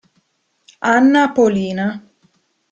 Anna Polina